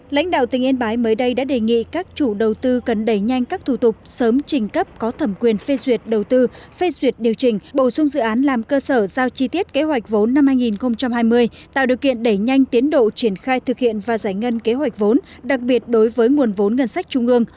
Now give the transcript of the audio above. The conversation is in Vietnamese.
lãnh đạo tỉnh yên bái mới đây đã đề nghị các chủ đầu tư cần đẩy nhanh các thủ tục sớm trình cấp có thẩm quyền phê duyệt đầu tư phê duyệt điều chỉnh bổ sung dự án làm cơ sở giao chi tiết kế hoạch vốn năm hai nghìn hai mươi tạo điều kiện đẩy nhanh tiến độ triển khai thực hiện và giải ngân kế hoạch vốn đặc biệt đối với nguồn vốn ngân sách trung ương